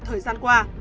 thời gian qua